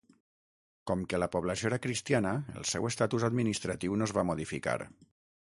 Com que la població era cristiana el seu estatus administratiu no es va modificar.